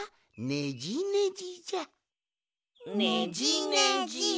ねじねじ。